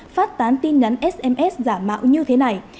phát tán tin nhắn sms giả mạo như thế này